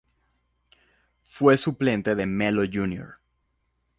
Fue suplente de Melo Jr.